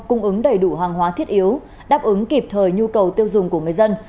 cung ứng đầy đủ hàng hóa thiết yếu đáp ứng kịp thời nhu cầu tiêu dùng của người dân